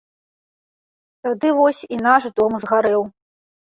Тады вось і наш дом згарэў.